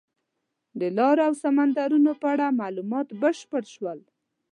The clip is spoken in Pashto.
د لارو او سمندرونو په اړه معلومات بشپړ شول.